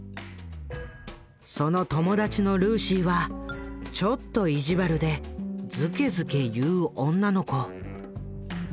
その友達のルーシーはちょっと意地悪でずけずけ言う女の子。